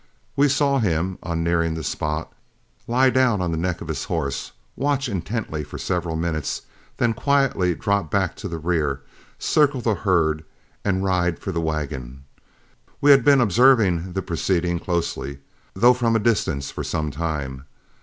We saw him, on nearing the spot, lie down on the neck of his horse, watch intently for several minutes, then quietly drop back to the rear, circle the herd, and ride for the wagon. We had been observing the proceedings closely, though from a distance, for some time.